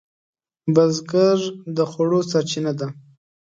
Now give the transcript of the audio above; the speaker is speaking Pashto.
بزګر د خوړو سرچینه ده